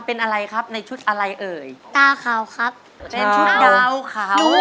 เป็นชุดดาวขาว